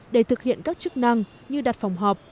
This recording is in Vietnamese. để thực hiện các chức năng như đặt phòng họp